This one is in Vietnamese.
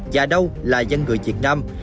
và đâu là dân người việt nam